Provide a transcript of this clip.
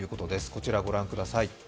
こちらご覧ください。